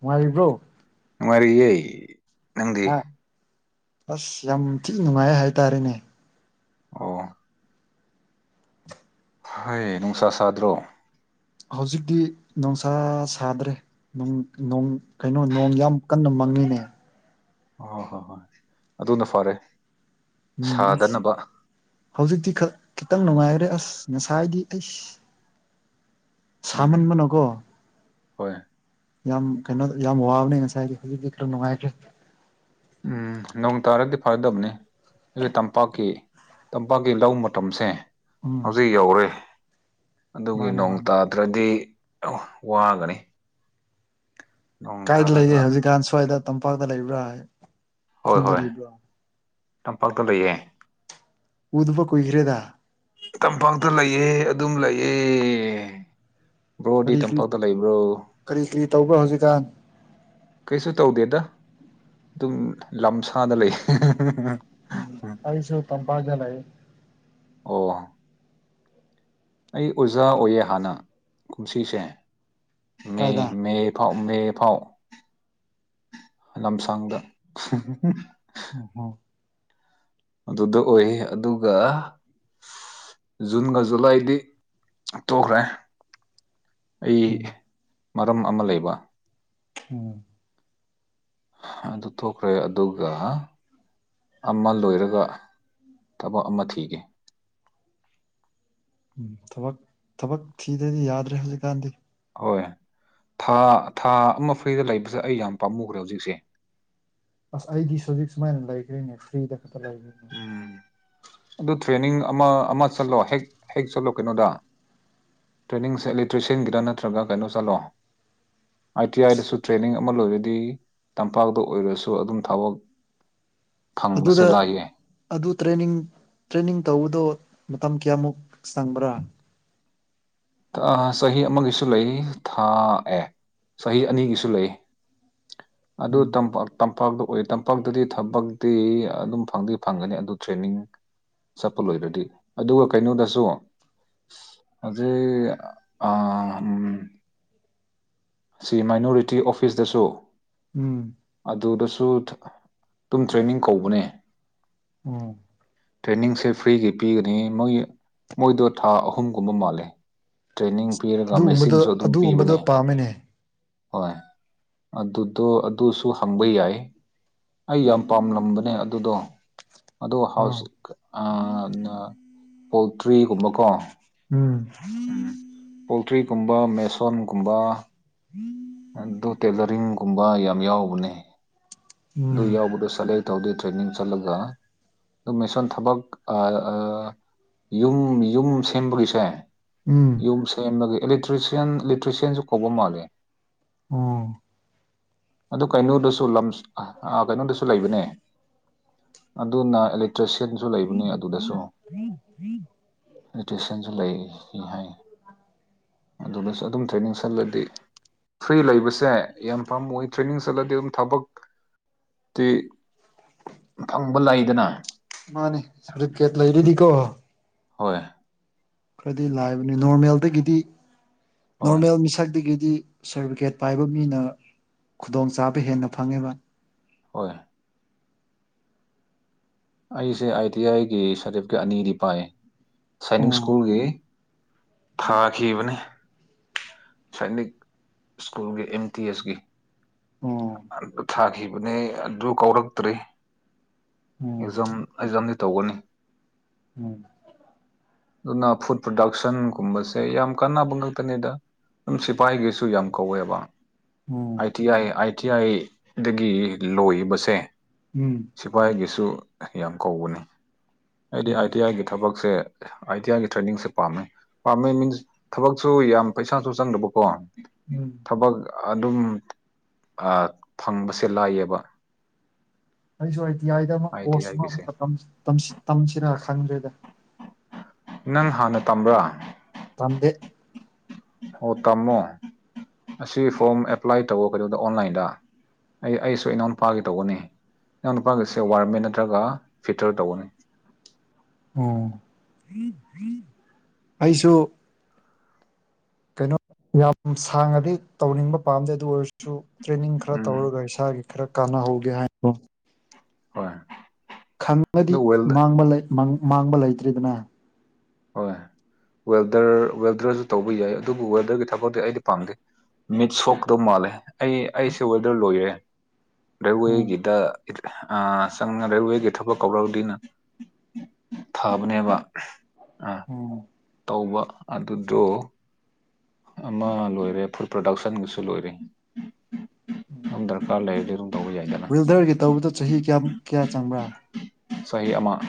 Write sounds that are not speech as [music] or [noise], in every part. ꯅꯨꯡꯉꯥꯏꯔꯤꯕ꯭ꯔꯣ ꯅꯨꯉꯥꯏꯔꯤꯌꯦ ꯑꯥ ꯑꯁ ꯌꯥꯝ ꯊꯤ ꯅꯨꯡꯉꯥꯏꯌꯦ ꯍꯥꯏꯇꯥꯔꯦꯅꯦ ꯑꯣ ꯍꯣꯏ ꯅꯨꯡꯁꯥ ꯁꯥꯗ꯭ꯔꯣ ꯍꯧꯖꯤꯛꯇꯤ ꯅꯨꯡꯁꯥ ꯁꯥꯗ꯭ꯔꯦ ꯅꯣꯡ ꯅꯣꯡ ꯀꯩꯅꯣ ꯅꯣꯡ ꯌꯥꯝ ꯀꯟꯅ ꯃꯪꯉꯤꯅꯦ ꯑꯥ ꯍꯣꯏ ꯍꯣꯏ ꯑꯗꯨꯅ ꯐꯔꯦ ꯎꯝ ꯑꯁ ꯁꯥꯗꯅꯕ ꯍꯧꯖꯤꯛꯇꯤ ꯈꯤꯇꯪ ꯅꯨꯡꯉꯥꯏꯈ꯭ꯔꯦ ꯑꯁ ꯉꯁꯥꯏꯗꯤ ꯑꯩꯁ ꯎꯝ ꯁꯥꯃꯟꯕꯅꯀꯣ ꯍꯣꯏ ꯌꯥꯝ ꯀꯩꯅꯣ ꯌꯥꯝ ꯋꯥꯕꯅꯦ ꯉꯁꯥꯏꯗꯤ ꯍꯧꯖꯤꯛꯇꯤ ꯈꯔ ꯅꯨꯡꯉꯥꯏꯇ꯭ꯔꯦ ꯎꯝ ꯅꯣꯡ ꯇꯥꯔꯗꯤ ꯐꯥꯔꯗꯕꯅꯤ ꯑꯩꯗꯨꯏ ꯇꯝꯄꯥꯛꯀꯤ ꯇꯝꯄꯥꯛꯀꯤ ꯂꯧ ꯃꯇꯝꯁꯦ ꯎꯝ ꯍꯧꯖꯤꯛ ꯌꯧꯔꯦ ꯑꯗꯨꯒꯤ ꯃꯥꯅꯦ ꯅꯣꯡ ꯃꯥꯅꯦ ꯇꯥ ꯇꯥꯗꯔꯗꯤ ꯌꯤꯝ ꯋꯥꯒꯅꯤ ꯅꯣꯡ ꯀꯥꯏꯗ ꯂꯩꯒꯦ ꯇꯥꯔꯒ ꯍꯧꯖꯤꯛꯀꯥꯟ ꯁ꯭ꯋꯥꯏꯗ ꯇꯝꯄꯥꯛꯇ ꯂꯩꯕ꯭ꯔꯥ ꯍꯣꯏ ꯈꯨꯟꯗ ꯍꯣꯏ ꯂꯩꯕ꯭ꯔꯥ ꯇꯝꯄꯥꯛꯇ ꯂꯩꯌꯦ ꯎꯗꯕ ꯈꯨꯏꯈ꯭ꯔꯦꯗ ꯇꯝꯄꯥꯛꯇ ꯂꯩꯌꯦ ꯑꯗꯨꯝ ꯂꯩꯑꯦ ꯕ꯭ꯔꯣꯗꯤ ꯀꯔꯤ ꯀꯔꯤ ꯇꯝꯄꯥꯛꯇ ꯂꯩꯕ꯭ꯔꯣ ꯀꯔꯤ ꯀꯔꯤ ꯇꯧꯕ꯭ꯔꯥ ꯍꯧꯖꯤꯛꯀꯥꯟ ꯀꯩꯁꯨ ꯇꯧꯗꯦꯗ ꯑꯗꯨꯝ ꯂꯝꯁꯥꯗ ꯂꯩ ꯍꯦꯍꯦꯍꯦ ꯎꯝ ꯑꯩꯁꯨ ꯇꯝꯄꯥꯛꯇ ꯂꯩ ꯑꯣ ꯑꯩ ꯑꯣꯖꯥ ꯑꯣꯏꯌꯦ ꯍꯥꯟꯅ ꯀꯨꯝꯁꯤꯁꯦ ꯃꯦ ꯀꯥꯏꯗ ꯃꯦ ꯐꯥꯎ ꯃꯦ ꯐꯥꯎ ꯂꯝꯁꯥꯡꯗ ꯍꯤꯍꯤꯍꯤ ꯑꯣ ꯍꯣ ꯑꯗꯨꯗ ꯑꯣꯏ ꯑꯗꯨꯒ ꯖꯨꯟꯒ ꯖꯨꯂꯥꯏꯗꯤ ꯇꯣꯛꯈ꯭ꯔꯦ ꯑꯩ ꯃꯔꯝ ꯑꯃ ꯂꯩꯕ ꯎꯝ ꯍꯥ ꯑꯗꯨ ꯊꯣꯛꯈ꯭ꯔꯦ ꯑꯗꯨꯒ ꯑꯃ ꯂꯣꯏꯔꯒ ꯊꯕꯛ ꯑꯃ ꯊꯤꯒꯦ ꯎꯝ ꯊꯕꯛ ꯊꯕꯛ ꯊꯤꯗꯗꯤ ꯌꯥꯗ꯭ꯔꯦ ꯍꯧꯖꯤꯛꯀꯥꯟꯗꯤ ꯍꯣꯏ ꯊꯥ ꯊꯥ ꯑꯃ ꯐ꯭ꯔꯤꯗ ꯂꯩꯕꯁꯦ ꯑꯩ ꯌꯥꯝ ꯄꯥꯝꯃꯨꯈ꯭ꯔꯦ ꯍꯧꯖꯤꯛꯁꯦ ꯑꯁ ꯑꯩꯗꯤ ꯁꯨꯖꯤꯛ ꯁꯨꯃꯥꯏꯅ ꯂꯩꯈ꯭ꯔꯤꯅꯦ ꯐ꯭ꯔꯤꯗ ꯈꯛꯇ ꯂꯩꯌꯦꯅꯦ ꯎꯝ ꯑꯗꯨ ꯇ꯭ꯔꯦꯅꯤꯡ ꯑꯃ ꯑꯃ ꯆꯠꯂꯣ ꯍꯦꯛ ꯍꯦꯛ ꯆꯠꯂꯣ ꯀꯩꯅꯣꯗ ꯇ꯭ꯔꯦꯅꯤꯡꯁꯦ ꯑꯦꯂꯦꯛꯇ꯭ꯔꯤꯁꯤꯌꯟꯒꯤꯔ ꯅꯠꯇ꯭ꯔꯒ ꯀꯩꯅꯣ ꯆꯠꯂꯣ ꯑꯥꯏ ꯇꯤ ꯑꯥꯏꯗꯁꯨ ꯇ꯭ꯔꯦꯅꯤꯡ ꯑꯃ ꯂꯣꯏꯔꯗꯤ ꯇꯝꯄꯥꯛꯇ ꯑꯣꯏꯔꯁꯨ ꯑꯗꯨꯝ ꯊꯕꯛ__ ꯑꯗꯨꯗ ꯑꯗꯨ ꯇ꯭ꯔꯦꯅꯤꯡ ꯇ꯭ꯔꯦꯅꯤꯡ ꯇꯧꯕꯗꯣ ꯃꯇꯝ ꯀꯌꯥꯃꯨꯛ ꯆꯪꯕ꯭ꯔꯥ ꯇꯥ ꯆꯍꯤ ꯑꯃꯒꯤꯁꯨ ꯂꯩ ꯊꯥ ꯑꯦ ꯆꯍꯤ ꯑꯅꯤꯒꯤꯁꯨ ꯂꯩ [inaudible] ꯑꯗꯨ ꯇꯝꯄꯥꯛ__ ꯇꯝꯄꯥꯛꯇ ꯑꯣꯏ ꯇꯝꯄꯥꯛꯇꯗꯤ ꯊꯕꯛꯇꯤ ꯑꯗꯨꯝ ꯐꯪꯗꯤ ꯐꯪꯒꯅꯤ ꯑꯗꯨ ꯇ꯭ꯔꯦꯅꯤꯡ__ ꯆꯠꯄ ꯂꯣꯏꯗ꯭ꯔꯗꯤ ꯑꯗꯨꯒ ꯀꯩꯅꯣꯗꯁꯨ ꯏ ꯑꯥ ꯎꯝ ꯁꯤ ꯃꯥꯏꯅꯣꯔꯤꯇꯤ ꯑꯣꯐꯤꯁꯇꯁꯨ ꯎꯝ ꯑꯗꯨꯗꯁꯨ ꯇꯨꯝ ꯇ꯭ꯔꯦꯅꯤꯡ ꯀꯧꯕꯅꯦ ꯑꯣ ꯇ꯭ꯔꯦꯅꯤꯡꯁꯦ ꯐ꯭ꯔꯤꯒꯤ ꯄꯤꯒꯅꯤ ꯃꯣꯏ ꯃꯣꯏꯗꯣ ꯊꯥ ꯑꯍꯨꯝꯒꯨꯝꯕ ꯃꯥꯜꯂꯦ ꯇ꯭ꯔꯦꯅꯤꯡ ꯄꯤꯔꯒ ꯃꯦꯁꯤꯟꯁꯨ ꯑꯗꯨꯝ ꯄꯤꯕꯅꯦ ꯇꯥꯃꯤꯅꯦ ꯍꯣꯏ ꯑꯗꯨꯗꯣ ꯑꯗꯨꯁꯨ ꯍꯪꯕ ꯌꯥꯏ ꯑꯩ ꯌꯥꯝ ꯄꯥꯝꯂꯝꯕꯅꯦ ꯑꯗꯨꯗꯣ ꯑꯗꯣ ꯑꯣ ꯍꯥꯎꯁ ꯑꯥ ꯅ ꯄꯣꯜꯇ꯭ꯔꯤꯒꯨꯝꯕꯀꯣ ꯎꯝ ꯎꯝ ꯄꯣꯜꯇ꯭ꯔꯤꯒꯨꯝꯕ ꯃꯦꯁꯣꯟꯒꯨꯝꯕ [inaudible] ꯑꯗꯨ ꯇꯦꯂꯔꯤꯡꯒꯨꯝꯕ ꯌꯥꯝ ꯌꯥꯎꯕꯅꯦ ꯑꯗꯨ ꯎꯝ ꯌꯥꯎꯕꯗꯣ ꯁꯥꯂꯦꯛ__ ꯇꯧꯗꯦ ꯇ꯭ꯔꯦꯅꯤꯡ ꯆꯠꯂꯒ ꯑꯗꯨ ꯃꯦꯁꯣꯟ ꯊꯕꯛ ꯑꯥ ꯌꯨꯝ ꯌꯨꯝ ꯁꯦꯝꯕꯒꯤꯁꯦ ꯎꯝ ꯌꯨꯝ ꯁꯦꯝꯕꯒꯤ ꯑꯦꯂꯦꯇ꯭ꯔꯤꯁ꯭ꯌꯥꯟ ꯂꯦꯇ꯭ꯔꯤꯁ꯭ꯌꯥꯟꯖꯨ ꯀꯧꯕ ꯃꯥꯜꯂꯦ ꯑꯣ ꯑꯗꯨ ꯀꯩꯅꯣꯗꯁꯨ ꯂꯝꯁ ꯑ ꯑꯥ ꯀꯩꯅꯣꯗꯁꯨ ꯂꯩꯕꯅꯦ ꯑꯗꯨꯅ ꯑꯦꯂꯦꯛ ꯇ꯭ꯔꯦꯁ꯭ꯌꯟꯖꯨ ꯂꯩꯕꯅꯦ ꯑꯗꯨꯗꯁꯨ ꯂꯦꯇ꯭ꯔꯦꯁ꯭ꯌꯟꯁꯨ ꯂꯩ ꯏ ꯍꯥꯏ ꯑꯗꯨꯗꯁꯨ ꯑꯗꯨꯝ ꯇ꯭ꯔꯦꯅꯤꯡ ꯆꯠꯂꯗꯤ ꯐ꯭ꯔꯤ ꯂꯩꯕꯁꯦ ꯌꯥꯝ ꯄꯥꯝꯃꯨꯏ ꯇ꯭ꯔꯦꯅꯤꯡ ꯆꯠꯂꯗꯤ ꯎꯝ ꯊꯕꯛ ꯇꯤ ꯐꯪꯕ ꯂꯩꯗꯅ ꯃꯥꯅꯦ ꯔꯤꯀꯦꯠ ꯂꯩꯔꯗꯤ ꯀꯣ ꯍꯣꯏ ꯈ꯭ꯔꯗꯤ ꯂꯥꯏꯕꯅꯦ ꯅꯣꯔꯃꯦꯜꯗꯒꯤꯗꯤ ꯍꯣꯏ ꯅꯣꯔꯃꯦꯜ ꯃꯤꯁꯛꯇꯒꯤꯗꯤ ꯁꯔꯕꯤꯒꯦꯠ ꯄꯥꯏꯕ ꯃꯤꯅ ꯈꯨꯗꯣꯡꯆꯥꯕ ꯍꯦꯟꯅ ꯐꯪꯉꯦꯕ ꯍꯣꯏ ꯑꯩꯁꯦ ꯑꯥꯏ ꯇꯤ ꯌꯥꯏꯒꯤ ꯁꯗꯤꯕꯤꯒꯦꯠ ꯑꯅꯤꯗꯤ ꯄꯥꯏꯌꯦ ꯁꯥꯏꯅꯤꯡ ꯑꯣ ꯁ꯭ꯀꯨꯜꯒꯤ ꯊꯥꯈꯤꯕꯅꯦ ꯁꯥꯏꯅꯤꯛ ꯁ꯭ꯀꯨꯜꯒꯤ ꯑꯦꯝ ꯇꯤ ꯌꯦꯁꯀꯤ ꯑꯣ ꯊꯥꯈꯤꯕꯅꯦ ꯑꯗꯨ ꯀꯧꯔꯛꯇ꯭ꯔꯤ ꯎꯝ ꯑꯦꯖꯝ ꯑꯦꯖꯝꯗꯤ ꯇꯧꯒꯅꯤ꯫ [inaudible] ꯗꯨꯅ ꯐꯨꯗ ꯄ꯭ꯔꯗꯛꯁꯟ ꯀꯨꯝꯕꯁꯦ ꯌꯥꯝ ꯀꯥꯟꯅꯕ ꯉꯛꯇꯅꯦꯗ꯫ ꯑꯝ ꯁꯤꯄꯥꯏꯒꯤꯁꯨ ꯌꯥꯝ ꯀꯧꯋꯦꯕ꯫ ꯑꯥꯏ ꯑꯝ ꯇꯤ ꯌꯥꯏ ꯑꯥꯏ ꯇꯤ ꯌꯥꯏ ꯗꯒꯤ ꯂꯣꯏꯕꯁꯦ ꯑꯝ ꯁꯤꯄꯥꯏꯒꯤꯁꯨ ꯌꯥꯝ ꯀꯧꯕꯅꯦ ꯑꯩꯗꯤ ꯎꯝ ꯑꯥꯏ ꯇꯤ ꯌꯥꯏꯒꯤ ꯊꯕꯛꯁꯦ ꯑꯥꯏ ꯇꯤ ꯌꯥꯏꯒꯤ ꯇ꯭ꯔꯦꯟꯅꯤꯡꯁꯦ ꯄꯥꯝꯃꯦ꯫ ꯄꯥꯝꯃꯦ ꯃꯤꯟꯁ ꯊꯕꯛꯁꯨ ꯌꯥꯝ ꯄꯩꯁꯥꯖꯨ ꯆꯪꯗꯕꯀꯣ ꯎꯝ ꯊꯕꯛ ꯑꯗꯨꯝ ꯑꯥ ꯐꯪꯕꯁꯦ ꯂꯥꯏꯌꯦꯕ꯫ ꯑꯩꯁꯨ ꯑꯥꯏ ꯇꯤ ꯌꯥꯏꯗ ꯑꯃꯨꯛ ꯑꯥꯏ ꯇꯤ ꯀꯣꯔꯁ ꯑꯃ ꯑꯥꯏꯒꯤꯁꯦ ꯑꯃꯨꯛꯀ ꯇꯝꯁ ꯇꯝꯁꯤ ꯇꯝꯁꯤꯔ ꯈꯪꯗ꯭ꯔꯦꯗ꯫ ꯅꯪ ꯍꯥꯟꯅ ꯇꯝꯕ꯭ꯔꯥ? ꯇꯝꯗꯦ꯫ ꯑꯣ ꯇꯝꯃꯣ ꯑꯁꯤ ꯐꯣꯔꯝ ꯑꯦꯄ꯭ꯂꯥꯏ ꯇꯧꯌꯣ ꯀꯩꯗꯧꯗ ꯑꯣꯟꯂꯥꯏꯟꯗ꯫ ꯑꯩ ꯑꯩꯁꯨ ꯏꯅꯥꯎꯅꯨꯄꯥꯒꯤ ꯇꯧꯒꯅꯤ ꯏꯅꯥꯎꯅꯨꯄꯥꯒꯤꯁꯦ ꯋꯥꯔꯃꯦꯟ ꯅꯠꯇ꯭ꯔꯒ ꯐꯤꯠꯇꯔ ꯇꯧꯒꯅꯤ꯫ [unintelligible] ꯑꯩꯁꯨ ꯀꯩꯅꯣ ꯌꯥꯝ ꯁꯥꯡꯅꯗꯤ ꯇꯧꯅꯤꯡꯕ ꯄꯥꯝꯗꯦ ꯑꯗꯨꯑꯣꯏꯔꯁꯨ ꯇ꯭ꯔꯦꯅꯤꯡ ꯈ꯭ꯔ ꯎꯝ ꯇꯧꯔꯒ ꯏꯁꯥꯒꯤ ꯈꯔ ꯀꯅꯥꯍꯧꯒꯦ ꯍꯥꯏ [unintelligible] ꯍꯣꯏ ꯈꯪꯉꯗꯤ ꯑꯗꯨ ꯋꯦꯜ ꯃꯥꯡꯕ ꯂꯩ ꯃꯥꯡ-ꯃꯥꯡꯕ ꯂꯩꯇ꯭ꯔꯦꯗꯅ꯫ ꯍꯣꯏ ꯋꯦꯜꯗꯔ ꯋꯦꯜꯗ꯭ꯔꯖꯨ ꯇꯧꯕ ꯌꯥꯏ ꯑꯗꯨꯕꯨ ꯋꯦꯗꯔꯒꯤ ꯊꯕꯛꯇꯤ ꯑꯩꯗꯤ ꯄꯥꯝꯗꯦ꯫ ꯃꯤꯠ ꯁꯣꯛꯀꯗꯧ ꯃꯥꯜꯂꯦ ꯑꯩ-ꯑꯩꯁꯨ ꯋꯦꯜꯗꯔ ꯂꯣꯏꯔꯦ ꯎꯝ ꯔꯦꯜꯋꯦꯒꯤꯗ ꯑ ꯆꯪꯉ ꯔꯦꯜꯋꯦꯒꯤ ꯊꯕꯛ ꯀꯧꯔꯛꯔꯗꯤꯅ ꯊꯕꯅꯦꯕ꯫ ꯑ ꯎꯝ ꯀꯧꯕ ꯑꯗꯨꯗꯣ ꯑꯃ ꯂꯣꯏꯔꯦ ꯐꯨꯗ ꯄ꯭ꯔꯗꯥꯛꯁꯟꯒꯤꯁꯨ ꯂꯣꯏꯔꯦ꯫ ꯅꯪ ꯗꯔꯀꯥꯔ ꯂꯩꯔꯗꯤ ꯑꯗꯨꯝ ꯇꯧꯕ ꯌꯥꯏꯗꯅ꯫ ꯋꯤꯜꯗꯔꯒꯤ ꯇꯧꯕꯗꯣ ꯆꯍꯤ ꯀꯌꯥꯝ ꯀꯌꯥ ꯆꯪꯕ꯭ꯔꯥ ꯆꯍꯤ ꯑꯃ-꯫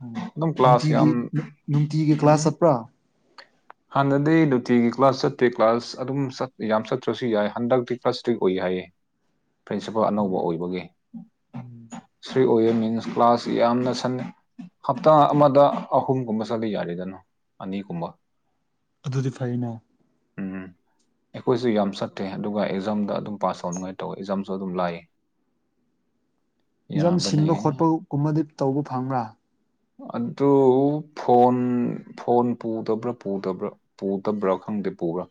ꯎꯝ ꯗꯨꯝ ꯀ꯭ꯂꯥꯁ ꯅꯨꯡꯇꯤꯒꯤ ꯌꯝ ꯅꯨꯡꯇꯤꯒꯤ ꯎꯝ ꯀ꯭ꯂꯥꯁ ꯆꯠꯄ꯭ꯔꯥ ꯍꯥꯟꯅꯗꯤ ꯅꯨꯇꯤꯒꯤ ꯀ꯭ꯂꯥꯁ ꯆꯠꯇꯦ ꯀ꯭ꯂꯥꯁ ꯑꯗꯨꯝ ꯆꯠꯇꯦ ꯌꯥꯝ ꯆꯠꯇ꯭ꯔꯁꯨ ꯌꯥꯏ ꯍꯟꯗꯛꯇꯤ ꯈ꯭ꯔ ꯁꯇ꯭ꯔꯤꯛ ꯑꯣꯏ ꯍꯥꯏꯌꯦ꯫ ꯄ꯭ꯔꯤꯟꯁꯤꯄꯥꯜ ꯑꯅꯧꯕ ꯑꯣꯏꯕꯒꯤ꯫ ꯎꯝ ꯁ꯭ꯔꯤꯛ ꯑꯣꯏꯌꯦ ꯃꯤꯟꯁ ꯀ꯭ꯂꯥꯁꯁꯤ ꯌꯥꯝꯅ ꯁꯟꯅ ꯍꯞꯇꯥ ꯑꯃꯗ ꯑꯍꯨꯝꯒꯨꯝꯕ ꯆꯠꯂꯤ ꯌꯥꯔꯦꯗꯅ ꯑꯅꯤꯒꯨꯝꯕ꯫ ꯑꯗꯨꯗꯤ ꯐꯩꯅꯦ꯫ ꯎꯝ [inaudible] ꯑꯩꯈꯣꯏꯁꯨ ꯌꯥꯝ ꯆꯠꯇꯦ ꯑꯗꯨꯒ ꯑꯦꯛꯖꯥꯝꯗ ꯑꯗꯨꯝ ꯄꯥꯁ ꯇꯧꯅꯉꯥꯏ ꯇꯧꯋꯦ ꯑꯦꯛꯖꯥꯝꯁꯨ ꯑꯗꯨꯝ ꯂꯥꯏꯌꯦ꯫ ꯑꯦꯛꯖꯝ ꯌꯥꯕꯅꯦ ꯁꯤꯟꯕ ꯈꯣꯠꯄꯒꯨꯝꯕꯗꯤ ꯇꯧꯕ ꯐꯪꯕ꯭ꯔꯥ? ꯑꯗꯨ ꯐꯣꯟ ꯐꯣꯟ ꯄꯨꯗꯕ꯭ꯔꯥ ꯄꯨꯗꯕ꯭ꯔꯥ ꯄꯨꯗꯕ꯭ꯔꯥ ꯈꯪꯗꯦ ꯄꯨꯕ꯭ꯔꯥ꯫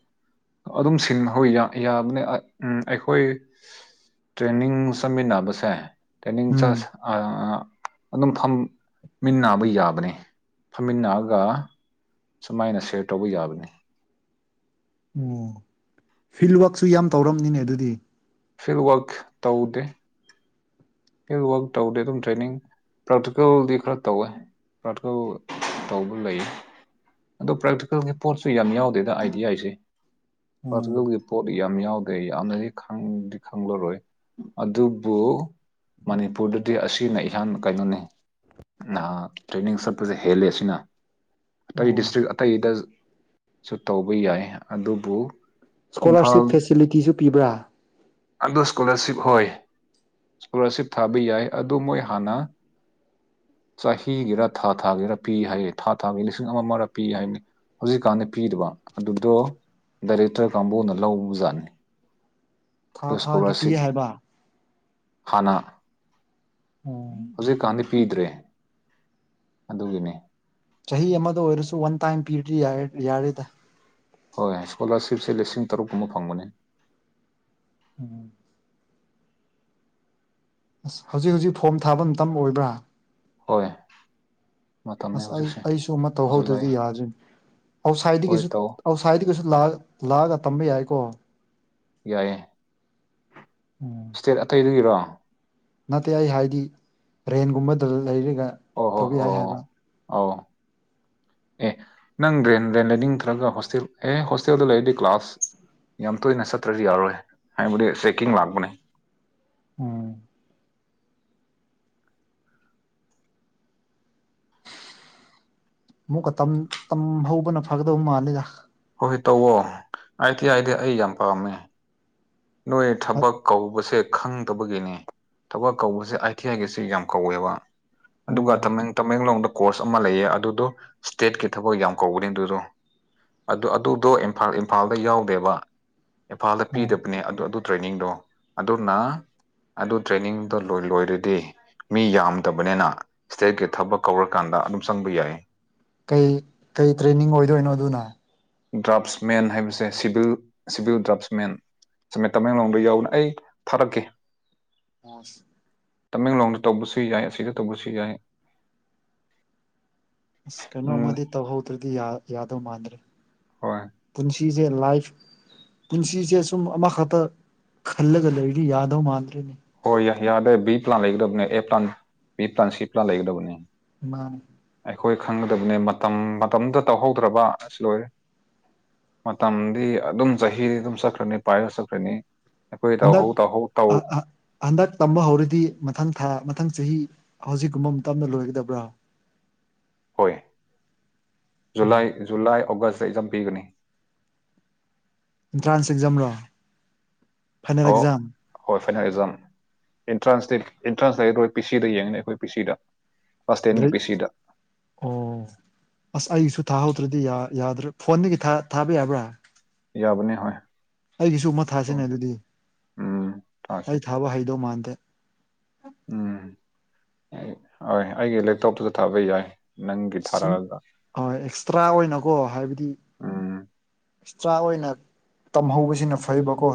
ꯑꯗꯨꯝ ꯁꯤꯟ ꯍꯣꯏ ꯌꯥꯕꯅꯦ ꯎꯝ ꯑꯩꯈꯣꯏ ꯇ꯭ꯔꯦꯅꯤꯡ ꯆꯠꯃꯤꯟꯅꯕꯁꯦ ꯇ꯭ꯔꯦꯅꯤꯡ ꯎꯝ ꯑꯗꯨꯝ ꯐꯝꯃꯤꯟꯅꯥꯕ ꯌꯥꯕꯅꯤ ꯐꯝꯃꯤꯟꯅꯔꯒ ꯁꯨꯃꯥꯏꯅ ꯁꯦꯌꯔ ꯇꯧꯕ ꯌꯥꯕꯅꯤ ꯑꯣ ꯐꯤꯜꯋꯥꯛꯁꯨ ꯌꯥꯝ ꯇꯧꯔꯝꯅꯤꯅꯦ ꯑꯗꯨꯗꯤ ꯐꯤꯜꯋꯔꯛ ꯇꯧꯗꯦ ꯐꯤꯜꯋꯔꯛ ꯇꯧꯗꯦ ꯑꯗꯨꯝ ꯇ꯭ꯔꯦꯅꯤꯡ ꯄ꯭ꯔꯥꯛꯇꯤꯀꯦꯜꯗꯤ ꯈꯔ ꯇꯧꯋꯦ ꯄ꯭ꯔꯥꯛꯇꯤꯀꯦꯜ ꯇꯧꯕ ꯂꯩꯌꯦ ꯑꯗꯣ ꯄ꯭ꯔꯥꯛꯇꯤꯀꯦꯜꯒꯤ ꯄꯣꯠꯁꯨ ꯌꯥꯝ ꯌꯥꯎꯗꯦꯗ ꯑꯥꯏꯗꯤꯌꯥꯁꯦ ꯑꯣ ꯄ꯭ꯔꯥꯛꯇꯤꯀꯦꯜꯒꯤ ꯄꯣꯠ ꯌꯥꯝ ꯌꯥꯎꯗꯦ ꯌꯥꯝꯅꯗꯤ ꯈꯪꯗꯤ ꯈꯪꯂꯔꯣꯏ ꯑꯗꯨꯕꯨ ꯃꯅꯤꯄꯨꯔꯗꯗꯤ ꯑꯁꯤꯅ ꯏꯍꯥꯟ ꯀꯩꯅꯣꯅꯦ ꯅ ꯇ꯭ꯔꯦꯅꯤꯡ ꯆꯠꯄꯁꯦ ꯍꯦꯜꯂꯦ ꯑꯁꯤꯅ ꯑꯇꯩ ꯑꯣ ꯗꯤꯁꯇ꯭ꯔꯤꯛ ꯑꯇꯩꯗꯁꯨ ꯇꯧꯕ ꯌꯥꯏ ꯑꯗꯨꯕꯨ ꯁ꯭ꯀꯣꯂꯥꯔꯁꯤꯞ ꯐꯦꯁꯤꯂꯤꯇꯤꯁꯨ ꯄꯤꯕ꯭ꯔꯥ ꯑꯗꯣ ꯏꯁꯀꯣꯂꯔꯁꯤꯞ ꯍꯣꯏ ꯏꯁꯀꯣꯂꯥꯔꯁꯤꯞ ꯊꯥꯕ ꯌꯥꯏ ꯑꯗꯣ ꯃꯣꯏ ꯍꯥꯟꯅ ꯆꯍꯤꯒꯤꯔ ꯊꯥ ꯊꯥꯒꯤꯔ ꯄꯤ ꯍꯥꯏꯌꯦ ꯊꯥ ꯊꯥꯒꯤ ꯂꯤꯁꯤꯡ ꯑꯃ ꯑꯃꯔ ꯄꯤ ꯍꯥꯏꯝꯅꯤ ꯍꯧꯖꯤꯛꯀꯥꯟꯗꯤ ꯄꯤꯗꯕ ꯑꯗꯨꯗꯣ ꯗꯥꯏꯔꯦꯛꯇꯔ ꯀꯥꯡꯕꯨꯅ ꯂꯧꯕꯖꯥꯠꯅꯤ ꯑꯗꯨ ꯊꯥ ꯊꯥꯒꯤ ꯄꯤ ꯏꯁꯀꯣꯂꯥꯔꯁꯤꯞ ꯍꯥꯏꯕ ꯍꯥꯟꯅ ꯎꯝ ꯍꯧꯖꯤꯛꯀꯥꯟꯗꯤ ꯄꯤꯗ꯭ꯔꯦ ꯑꯗꯨꯒꯤꯅꯦ ꯆꯍꯤ ꯑꯃꯗ ꯑꯣꯏꯔꯁꯨ ꯋꯥꯟ ꯇꯥꯏꯝ ꯄꯤꯔꯗꯤ ꯌꯥꯔꯦꯗ ꯍꯣꯏ ꯏꯁꯀꯣꯂꯥꯔꯁꯤꯞꯁꯦ ꯂꯤꯁꯤꯡ ꯇꯔꯨꯛꯀꯨꯝꯕ ꯐꯪꯕꯅꯤ ꯎꯝ ꯑꯁ ꯍꯧꯖꯤꯛ ꯍꯧꯖꯤꯛ ꯐꯣꯔꯝ ꯊꯥꯕ ꯃꯇꯝ ꯑꯣꯏꯕ꯭ꯔꯥ ꯍꯣꯏ ꯃꯇꯝꯅꯤ ꯑꯁ ꯑꯩ ꯍꯧꯖꯤꯛꯁꯦ ꯑꯩꯁꯨ ꯑꯃ ꯖꯨꯂꯥꯏ ꯇꯧꯍꯧꯗ꯭ꯔꯗꯤ ꯌꯥꯗ꯭ꯔꯦꯅꯦ ꯍꯣꯏ ꯑꯥꯎꯠꯁꯥꯏꯗꯒꯤꯁꯨ ꯇꯧ ꯑꯥꯎꯠꯁꯥꯏꯗꯒꯤꯁꯨ ꯂꯥꯛꯑꯒ ꯂꯥꯛꯑꯒ ꯇꯝꯕ ꯌꯥꯏꯀꯣ ꯌꯥꯏꯌꯦ ꯎꯝ ꯁ꯭ꯇꯦꯠ ꯑꯇꯩꯗꯨꯒꯤꯔꯣ ꯅꯠꯇꯦ ꯑꯩ ꯍꯥꯏꯗꯤ ꯔꯦꯟꯒꯨꯝꯕꯗ ꯂꯩꯔꯒ ꯇꯧꯕ ꯌꯥꯏ ꯍꯥꯏꯕ ꯑꯥꯎ ꯑꯦ ꯅꯪ ꯔꯦꯟ ꯔꯦꯟ ꯂꯩꯅꯤꯡꯗ꯭ꯔꯒ ꯍꯣꯁꯇꯦꯜ ꯑꯦ ꯍꯣꯁꯇꯦꯜꯗ ꯂꯩꯔꯗꯤ ꯀ꯭ꯂꯥꯁ ꯌꯥꯝ ꯇꯣꯏꯅ ꯆꯠꯇ꯭ꯔꯗꯤ ꯌꯥꯔꯣꯏ ꯍꯥꯏꯕꯗꯤ ꯆꯦꯛꯀꯤꯡ ꯂꯥꯛꯄꯅꯦ ꯎꯝ ꯑꯃꯨꯛꯀ ꯇꯝ ꯍꯧꯕꯅ ꯐꯒꯗꯧ ꯃꯥꯜꯂꯦꯗ ꯍꯣꯏ ꯇꯧꯋꯣ ꯑꯏ ꯇꯤ ꯑꯏꯗꯤ ꯑꯩ ꯌꯥꯝ ꯄꯥꯝꯃꯦ ꯅꯣꯏ ꯊꯕꯛ ꯀꯧꯕꯁꯦ ꯈꯪꯗꯕꯒꯤꯅꯦ ꯊꯕꯛ ꯀꯧꯕꯁꯦ ꯑꯥꯏ ꯇꯤ ꯑꯥꯏꯒꯤꯁꯦ ꯌꯥꯝ ꯀꯧꯋꯦꯕ ꯑꯗꯨꯒ ꯎꯝ ꯇꯃꯦꯡ ꯇꯃꯦꯡꯂꯣꯡꯗ ꯀꯣꯔꯁ ꯑꯃ ꯂꯩꯌꯦ ꯑꯗꯨꯗꯣ ꯏꯁ꯭ꯇꯦꯠꯀꯤ ꯊꯕꯛ ꯌꯥꯝ ꯀꯧꯕꯅꯦ ꯑꯗꯨꯗꯣ ꯑꯗꯨ ꯑꯗꯨꯗꯣ ꯏꯝꯐꯥꯜꯗ ꯌꯥꯎꯗꯦꯕ ꯏꯝꯐꯥꯜꯗ ꯎꯝ ꯄꯤꯗꯕ ꯑꯗꯨ ꯑꯗꯨ ꯇ꯭ꯔꯦꯅꯤꯡꯗꯣ ꯑꯗꯨꯅ ꯑꯗꯨ ꯇ꯭ꯔꯦꯅꯤꯡꯗꯣ ꯂꯣꯏ ꯂꯣꯏꯔꯗꯤ ꯃꯤ ꯌꯥꯝꯗꯕꯅꯦꯅ ꯏꯁꯇꯦꯠꯀꯤ ꯊꯕꯛ ꯀꯧꯔꯀꯥꯟꯗ ꯑꯗꯨꯝ ꯆꯪꯕ ꯌꯥꯏ ꯀꯩ ꯀꯩ ꯇ꯭ꯔꯦꯅꯤꯡ ꯑꯣꯏꯗꯣꯏꯅꯣ ꯑꯗꯨꯅ ꯗ꯭ꯔꯥꯞꯁꯃꯦꯟ ꯍꯥꯏꯕꯁꯦ ꯁꯤꯚꯤꯜ ꯁꯤꯚꯤꯜ ꯗ꯭ꯔꯥꯞꯁꯃꯦꯟ ꯃꯦ ꯇꯃꯦꯡꯂꯣꯡꯗ ꯌꯥꯎꯕꯅꯦ ꯑꯩ ꯊꯥꯔꯛꯀꯦ ꯑꯁ ꯇꯃꯦꯡꯂꯣꯡꯗ ꯇꯧꯕꯁꯨ ꯌꯥꯏ ꯑꯁꯤꯗ ꯇꯧꯕꯁꯨ ꯌꯥꯏ ꯑꯁ ꯎꯝ ꯀꯩꯅꯣꯑꯃꯗꯤ ꯇꯧꯍꯧꯗ꯭ꯔꯗꯤ ꯌꯥ ꯌꯥꯗꯧ ꯃꯥꯟꯗ꯭ꯔꯦ ꯍꯣꯏ ꯄꯨꯟꯁꯤꯁꯦ ꯂꯥꯏꯐ ꯄꯨꯟꯁꯤꯁꯦ ꯁꯨꯝ ꯑꯃꯈꯛꯇ ꯈꯜꯂꯒ ꯂꯩꯔꯤꯗꯤ ꯌꯥꯗꯧ ꯃꯥꯟꯗ꯭ꯔꯦꯅꯦ ꯫ ꯍꯣꯏ ꯌꯥꯏ ꯌꯥꯗꯦ ꯕꯤ ꯄ꯭ꯂꯥꯟ ꯂꯩꯒꯗꯕꯅꯦ A plan B plan C plan ꯂꯩꯒꯗꯕꯅꯦ ꯃꯥ ꯑꯩꯈꯣꯏ ꯈꯪꯒꯗꯕꯅꯦ ꯃꯇꯝ ꯃꯇꯝꯗꯨꯗ ꯇꯧꯍꯧꯗ꯭ꯔꯕ ꯑꯁ ꯂꯣꯏꯔꯦ ꯃꯇꯝꯗꯤ ꯑꯗꯨꯝ ꯆꯍꯤꯗꯤ ꯑꯗꯨꯝ ꯆꯠꯈ꯭ꯔꯅꯤ ꯄꯥꯏꯔ ꯆꯠꯈ꯭ꯔꯅꯤ ꯑꯩꯈꯣꯏ ꯍꯟꯗꯛ ꯇꯧꯍꯧ ꯇꯧꯍꯧ ꯇꯧ ꯑ ꯑ ꯍꯟꯗꯛ ꯇꯝꯕ ꯍꯧꯔꯗꯤ ꯃꯊꯪ ꯊꯥ ꯃꯊꯪ ꯆꯍꯤ ꯍꯧꯖꯤꯛꯀꯨꯝꯕ ꯃꯇꯝꯗ ꯂꯣꯏꯒꯗꯕ꯭ꯔꯥ ꯍꯣꯏ ꯖꯨꯂꯥꯏ ꯖꯨꯂꯥꯏ ꯑꯣꯒꯁꯇ ꯏꯛꯖꯝ ꯄꯤꯒꯅꯤ ꯑꯦꯟꯇ꯭ꯔꯥꯟꯁ ꯑꯦꯛꯖꯥꯝꯔꯣ ꯐꯥꯏꯅꯦꯜ ꯑꯣ ꯑꯦꯛꯖꯥꯝ ꯍꯣꯏ ꯐꯥꯏꯅꯥꯜ ꯑꯦꯛꯖꯥꯝ ꯑꯦꯟꯇ꯭ꯔꯥꯟꯁ ꯇꯤ ꯑꯦꯟꯇ꯭ꯔꯥꯟꯁ ꯂꯩꯔꯣꯏ ꯄꯤ ꯁꯤꯗ ꯌꯦꯡꯉꯅꯤ ꯑꯩꯈꯣꯏ ꯄꯤ ꯁꯤꯗ ꯀ꯭ꯂꯥꯁ ꯇꯦꯟꯒꯤ ꯒ꯭ꯔꯦꯠ ꯄꯤ ꯁꯤꯗ ꯑꯣ ꯑꯁ ꯑꯩꯁꯨ ꯊꯥꯍꯧꯗ꯭ꯔꯗꯤ ꯌꯥ ꯌꯥꯗ꯭ꯔꯦ ꯐꯣꯟꯗꯒꯤ ꯊꯥ ꯊꯥꯕ ꯌꯥꯕ꯭ꯔꯥ ꯌꯥꯕꯅꯦ ꯍꯣꯏ ꯑꯩꯒꯤꯁꯨ ꯑꯃ ꯊꯥꯁꯤꯅꯦ ꯑꯗꯨꯗꯤ ꯎꯝ ꯊꯥꯁꯦ ꯑꯩ ꯊꯥꯕ ꯍꯩꯗꯧ ꯃꯥꯟꯗꯦ ꯎꯝ ꯍꯣꯏ ꯑꯩꯒꯤ ꯂꯦꯞꯇꯣꯞꯇꯨꯗ ꯊꯥꯕ ꯌꯥꯏ ꯅꯪꯒꯤ ꯊꯥꯔꯛꯑꯒ ꯑ ꯑꯦꯛꯁꯇ꯭ꯔꯥ ꯑꯣꯏꯅꯀꯣ ꯍꯥꯏꯕꯗꯤ ꯎꯝ ꯑꯦꯛꯁꯇ꯭ꯔꯥ ꯑꯣꯏꯅ ꯇꯝꯍꯧꯕꯁꯤꯅ ꯐꯩꯕꯀꯣ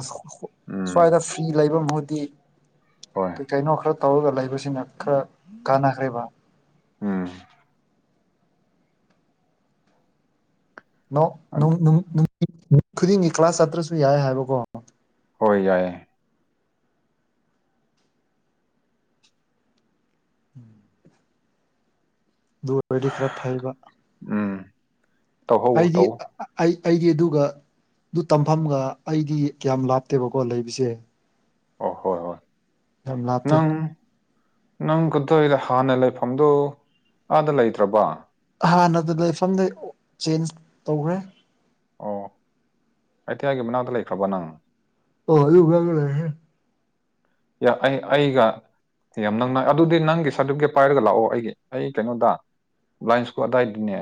ꯎꯝ ꯁ꯭ꯋꯥꯏꯗ ꯐ꯭ꯔꯤ ꯂꯩꯕ ꯃꯍꯨꯠꯗꯤ ꯍꯣꯏ ꯀꯩ ꯀꯩꯅꯣ ꯈꯔ ꯇꯧꯔꯒ ꯂꯩꯕꯁꯤꯅ ꯈꯔ ꯀꯥꯟꯅꯈ꯭ꯔꯦꯕ ꯎꯝ ꯅꯣ ꯅꯨ ꯑꯗ- ꯅꯨ ꯅꯨꯃꯤꯠ ꯈꯨꯗꯤꯡꯒꯤ ꯀ꯭ꯂꯥꯁ ꯆꯠꯇ꯭ꯔꯁꯨ ꯌꯥꯏ ꯍꯥꯏꯕꯀꯣ ꯍꯣꯏ ꯌꯥꯏꯌꯦ [inaudible] ꯗꯨ ꯑꯣꯏꯔꯗꯤ ꯈꯔ ꯐꯩꯕ ꯎꯝ ꯇꯧꯍꯧ ꯑꯩꯗꯤ ꯇꯧ ꯑꯥ ꯑꯩ ꯑꯩꯗꯤ ꯑꯗꯨꯒ ꯑꯗꯨ ꯇꯝꯐꯝꯒ ꯑꯩꯗꯤ ꯀꯌꯥꯝ ꯂꯥꯞꯇꯦꯕꯀꯣ ꯂꯩꯕꯁꯦ ꯑꯣ ꯍꯣꯏ ꯍꯣꯏ ꯌꯥꯝ ꯂꯥꯞꯇꯦ ꯅꯪ ꯅꯪ ꯀꯩꯅꯣ ꯇꯧꯏꯗꯥ ꯍꯥꯟꯅ ꯂꯩꯐꯝꯗꯨ ꯑꯥꯗ ꯂꯩꯇ꯭ꯔꯕ ꯍꯥꯟꯅ ꯑꯗꯨ ꯂꯩꯐꯝꯗꯩ ꯆꯦꯟꯖ ꯇꯧꯈ꯭ꯔꯦ ꯑꯣ ꯑꯇꯤꯌꯥ ꯒꯤ ꯃꯅꯥꯛꯇ ꯂꯩꯈ꯭ꯔꯕ ꯅꯪ ꯑꯣ ꯑꯗꯨ ꯃꯐꯝꯗ ꯂꯩꯍꯦ ꯌꯥ ꯑꯩ ꯑꯩꯒ ꯌꯥꯝ ꯅꯛꯅꯩ ꯑꯗꯨꯗꯤ ꯅꯪꯒꯤ ꯁꯥꯔꯇꯤꯐꯤꯀꯦꯠ ꯄꯥꯏꯔꯒ ꯂꯥꯛꯑꯣ ꯑꯩꯒꯤ ꯑꯩ ꯀꯩꯅꯣꯗ ꯂꯥꯏꯟꯁ ꯀꯣ ꯑꯗꯥꯏꯗꯅꯦ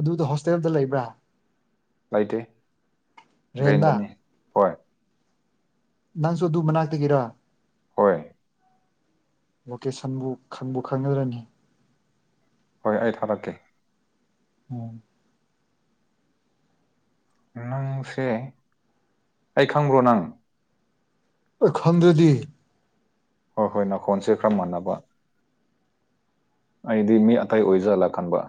ꯑꯗꯨꯗ ꯍꯣꯁꯇꯦꯜꯗ ꯂꯩꯕ꯭ꯔꯥ ꯂꯩꯇꯦ ꯔꯦꯟꯗ ꯔꯦꯟꯗꯅꯦ ꯍꯣꯏ ꯅꯪꯁꯨ ꯑꯗꯨ ꯃꯅꯥꯛꯇꯒꯤꯔꯥ ꯍꯣꯏ ꯂꯣꯀꯦꯁꯟꯕꯨ ꯈꯪꯕꯨ ꯈꯪꯒꯗ꯭ꯔꯅꯦ ꯍꯣꯏ ꯑꯩ ꯊꯥꯔꯛꯀꯦ ꯎꯝ ꯅꯪꯁꯦ ꯑꯩ ꯈꯪꯕ꯭ꯔꯣ ꯅꯪ ꯑꯦ ꯈꯡꯗ꯭ꯔꯥꯗꯤ ꯍꯣꯏ ꯍꯣꯏ ꯅꯈꯣꯟꯁꯦ ꯈꯔ ꯃꯥꯟꯅꯕ ꯑꯩꯗꯤ ꯃꯤ ꯑꯇꯩ ꯑꯣꯏꯖꯜꯂꯥ ꯈꯟꯕ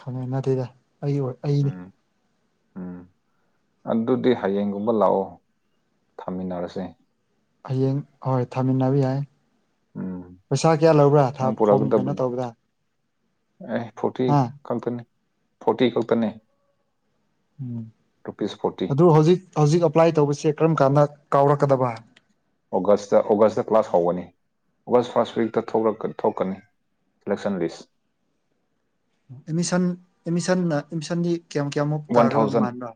ꯈꯪꯉꯦ ꯅꯠꯇꯦꯗ ꯑꯩ ꯑꯣꯏ ꯑꯩꯅꯤ ꯎꯝ ꯎꯝ ꯑꯗꯨꯗꯤ ꯍꯌꯦꯡꯒꯨꯝꯕ ꯂꯥꯛꯑꯣ ꯊꯝꯃꯤꯟꯅꯔꯁꯦ ꯍꯌꯦꯡ ꯍꯣꯏ ꯊꯥꯃꯤꯟꯅꯕ ꯌꯥꯏ ꯎꯝ ꯄꯩꯁꯥ ꯀꯌꯥ ꯂꯧꯕ꯭ꯔꯥ ꯊ ꯅꯪ ꯐꯣꯝ ꯀꯩꯅꯣ ꯄꯨꯔꯛꯀꯗꯕꯅꯤ ꯇꯧꯕꯗ ꯑꯦ ꯐꯣꯔꯇꯤ ꯍꯥ ꯈꯛꯇꯅꯦ ꯐꯣꯔꯇꯤ ꯈꯛꯇꯅꯦ ꯎꯝ ꯔꯨꯄꯤꯁ ꯐꯣꯔꯇꯤ ꯑꯗꯨ ꯍꯧꯖꯤꯛ ꯍꯧꯖꯤꯛ ꯑꯦꯄ꯭ꯂꯥꯏ ꯇꯧꯕꯁꯦ ꯀꯔꯝ ꯀꯥꯟꯗ ꯀꯥꯎꯔꯛꯀꯗꯕ ꯑꯣꯒꯁꯇ ꯑꯣꯒꯁꯇ ꯀ꯭ꯂꯥꯁ ꯍꯧꯒꯅꯤ ꯑꯣꯒꯁ ꯐꯥꯔꯁ ꯋꯤꯛꯇ ꯊꯣꯛꯂꯛ ꯊꯣꯛꯀꯅꯤ [unintelligible] ꯑꯦꯃꯤꯁꯟ ꯑꯦꯃꯤꯁꯟꯅ ꯑꯦꯃꯤꯁꯟꯗꯤ ꯀꯌꯥꯝ ꯀꯌꯥꯃꯨꯛ ꯋꯥꯟ ꯇꯥꯒꯗꯕ ꯊꯥꯎꯖꯟ ꯃꯥꯟꯕ꯭ꯔꯥ